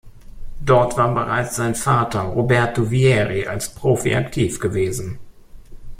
Dort war bereits sein Vater Roberto Vieri als Profi aktiv gewesen.